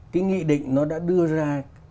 cái nghị định nó đã đưa ra